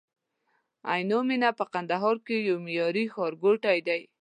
عینومېنه په کندهار کي یو معیاري ښارګوټی دی